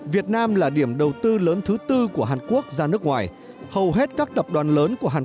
việt nam là điểm đầu tư lớn thứ tư của hàn quốc ra nước ngoài hầu hết các tập đoàn lớn của hàn